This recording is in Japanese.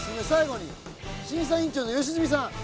最後に審査委員長の良純さん。